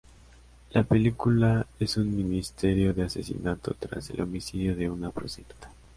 La película es un misterio de asesinato, tras el homicidio de una prostituta.